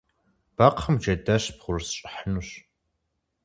Бэкхъым джэдэщ бгъурысщӏыхьынущ.